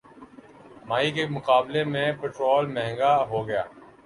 مئی کے مقابلے میں پٹرول مہنگا ہوگیا